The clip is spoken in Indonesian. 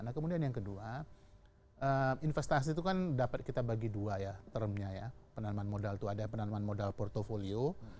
nah kemudian yang kedua investasi itu kan dapat kita bagi dua ya termnya ya penanaman modal itu ada penanaman modal portfolio